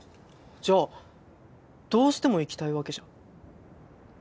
じゃあどうしても行きたいわけじゃ？